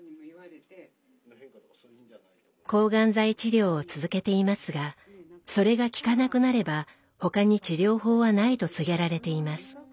抗がん剤治療を続けていますがそれが効かなくなればほかに治療法はないと告げられています。